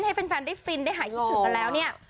ให้แฟนได้ฟินได้หายคิดถึงกันแล้วเนี่ย